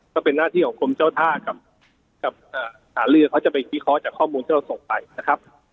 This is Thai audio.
ก็เป็นหน้าที่ของกรมเจ้าท่ากับหาลือเขาจะไปวิเคราะห์จากข้อมูลที่เราส่งไปนะครับ